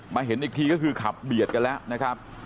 เห็นอีกทีก็คือขับเบียดกันแล้วนะครับ